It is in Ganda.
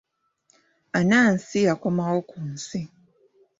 Anansi yakomawo ku nsi.